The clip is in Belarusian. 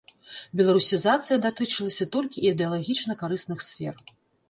Беларусізацыя датычылася толькі ідэалагічна карысных сфер.